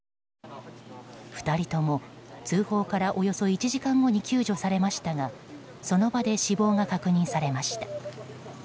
２人とも通報からおよそ１時間後に救助されましたがその場で死亡が確認されました。